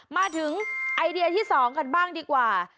มาถึงไอเดียที่๒กันบ้างดีกว่า